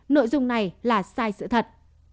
nội dung này là sai sự thật